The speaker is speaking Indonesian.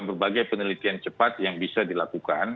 berbagai penelitian cepat yang bisa dilakukan